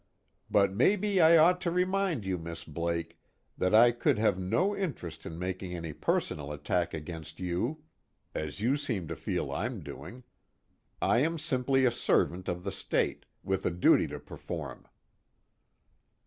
"But maybe I ought to remind you, Miss Blake, that I could have no interest in making any personal attack against you, as you seem to feel I'm doing. I am simply a servant of the State, with a duty to perform."